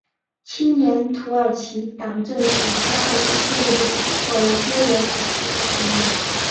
青年土耳其党政府发动一系列的举措来边缘化其他族群。